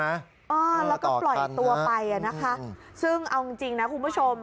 ต่อคันนะอ๋อแล้วก็ปล่อยตัวไปนะคะซึ่งเอาจริงนะคุณผู้ชม